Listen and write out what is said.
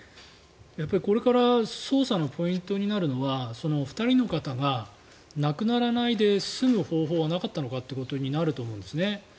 やっぱり、これから捜査のポイントになるのは２人の方が亡くならないで済む方法はなかったのかということになると思うんです。